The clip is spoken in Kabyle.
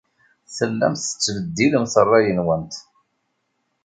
Tellamt tettbeddilemt ṛṛay-nwent.